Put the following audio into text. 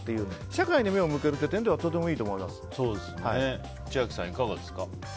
世界に目を向けるという点では千秋さん、いかがですか？